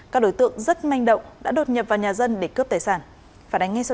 các đối tượng rất manh động đã đột nhập vào nhà dân